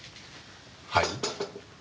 はい？